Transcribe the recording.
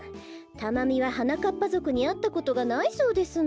タマミははなかっぱぞくにあったことがないそうですの。